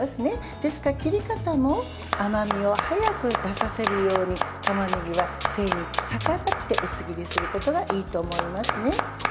ですから切り方も甘みを早く出させるようにたまねぎの繊維に逆らって薄切りにすることがいいと思いますね。